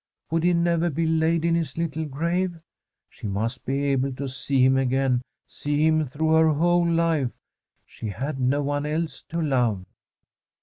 Would he never be laid in his little grave ? She must be able to see him again, see him through her whole life ; she had no one else to love.